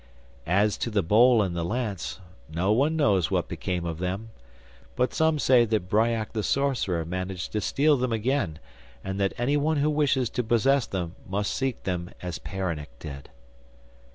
As to the bowl and the lance, no one knows what became of them, but some say that Bryak the sorcerer managed to steal them again, and that any one who wishes to possess them must seek them as Peronnik did.